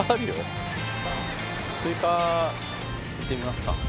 スイカいってみますか。